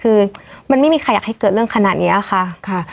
คือมันไม่มีใครอยากให้เกิดเรื่องขนาดนี้ค่ะ